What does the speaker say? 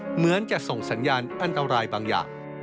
เหมือนจะส่งสัญญาณอันตรายบางอย่าง